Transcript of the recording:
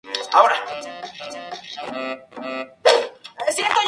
Esa sería la explicación de la ausencia de bosques del Labort.